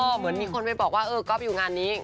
เหมือนมีคนไปบอกว่าเออก๊อฟอยู่งานนี้